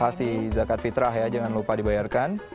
kasih zakat fitrah ya jangan lupa dibayarkan